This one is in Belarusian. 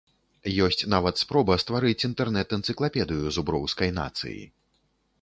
Ёсць нават спроба стварыць інтэрнэт-энцыклапедыю зуброўскай нацыі.